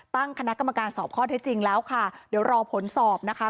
ตั้งคณะกรรมการสอบข้อเท็จจริงแล้วค่ะเดี๋ยวรอผลสอบนะคะ